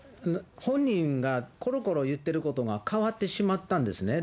本人が、ころころ言ってることが変わってしまったんですね。